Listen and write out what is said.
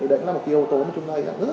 đấy là một yếu tố mà chúng ta thể hiện rất rõ